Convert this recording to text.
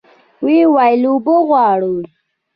ويې ويل اوبه غواړي.